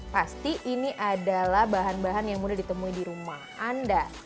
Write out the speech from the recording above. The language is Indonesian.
pasti ini adalah bahan bahan yang mudah ditemui di rumah anda